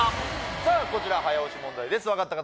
さあこちら早押し問題です分かった方